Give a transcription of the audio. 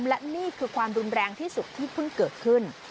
และนี่คือความรุนแรงที่สุดที่เพิ่งเกิดขึ้น